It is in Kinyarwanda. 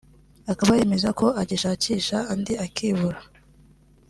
Akaba yemeza ko agishakisha andi akibura